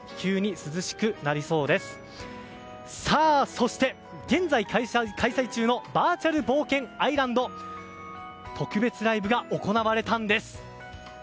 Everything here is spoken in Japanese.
そして、現在開催中のバーチャル冒険アイランド特別ライブが行われたんです。